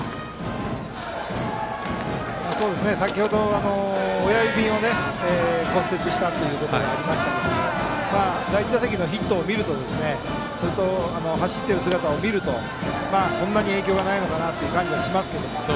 先程、親指を骨折したという話がありましたけど第１打席のヒットや走っている姿を見るとそんなに影響がないかなという感じがしますが。